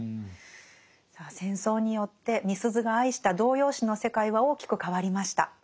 さあ戦争によってみすゞが愛した童謡詩の世界は大きく変わりました。